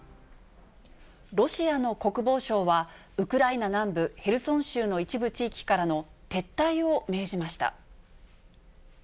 ロシアの国防省は、ウクライナ南部、ヘルソン州の一部地域からの撤退を命じました。